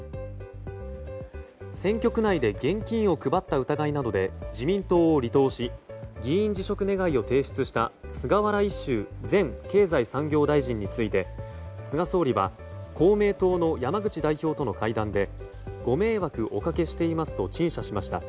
選挙区内で現金を配った疑いなどで自民党を離党し議員辞職願を提出した菅原一秀前経済産業大臣について菅総理は公明党の山口代表との会談でご迷惑おかけしていますと陳謝しました。